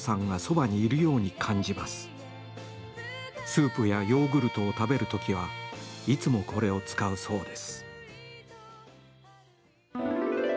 スープやヨーグルトを食べる時はいつも、これを使うそうです。